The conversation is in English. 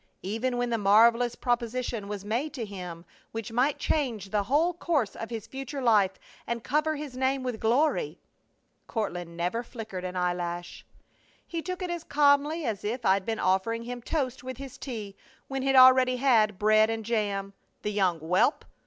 Even when the marvelous proposition was made to him which might change the whole course of his future life and cover his name with glory (?) Courtland never flickered an eyelash. "He took it as calmly as if I'd been offering him toast with his tea when he already had bread and jam, the young whelp!"